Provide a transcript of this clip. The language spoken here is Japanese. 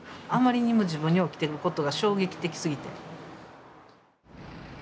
あまりにも自分に起きていることが衝撃的すぎて。